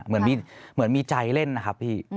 เหมือนมีใจเล่นนะครับพี่